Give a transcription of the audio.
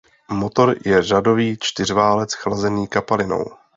Motor je řadový čtyřválec chlazený kapalinou.